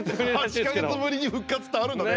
８か月ぶりに復活ってあるんだね。